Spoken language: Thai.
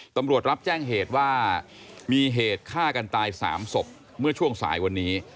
ตำรวจรับแจ้งเหตุว่ามีเหตุฆ่ากันตาย๓ศพเมื่อช่วงสายวันนี้